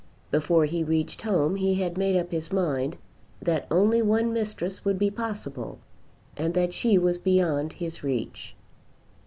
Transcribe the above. Before he reached home he had made up his mind that only one mistress would be possible, and that she was beyond his reach.